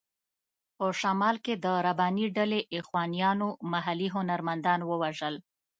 په شمال کې د رباني ډلې اخوانیانو محلي هنرمندان ووژل.